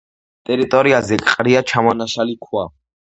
ტერიტორიაზე ყრია ჩამონაშალი ქვა.